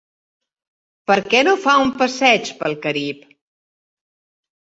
Per què no fa un passeig pel Carib?